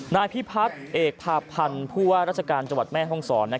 นายพิพัฒน์เอกพาพันธ์ผู้ว่าราชการจังหวัดแม่ห้องศร